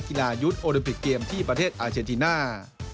นายุทธ์โอลิมปิกเกมที่ประเทศอาเจนติน่า